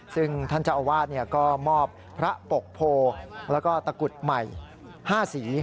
ซึ่งท่านเจ้าอาวาสก็มอบพระปกโพแล้วก็ตะกุดใหม่๕สี